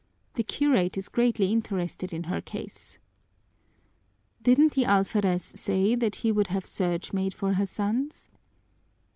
The curate is greatly interested in her case." "Didn't the alferez say that he would have search made for her sons?"